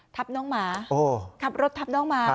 ทับน้องหมาโอ้ครับรถทับน้องหมาครับ